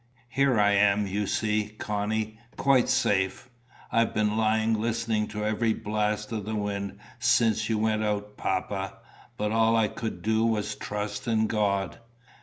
"Here I am, you see, Connie, quite safe." "I've been lying listening to every blast of wind since you went out, papa. But all I could do was to trust in God."